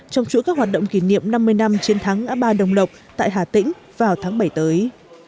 trong chuỗi các hoạt động kỷ niệm năm mươi năm chiến thắng ngã ba đồng lộc tại hà tĩnh vào tháng bảy tới